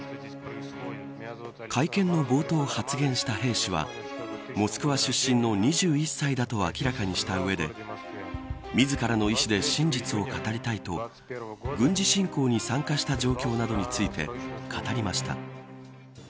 会見の冒頭発言した兵士はモスクワ出身の２１歳だと明らかにしたうえで自らの意思で真実を語りたいと軍事侵攻に参加した状況などについて語りました。